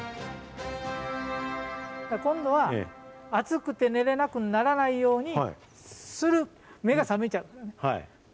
今度は、暑くて寝れなくならないようにする、目が覚めちゃう。